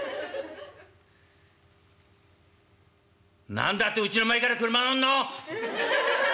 「何だってうちの前から俥乗んの！」。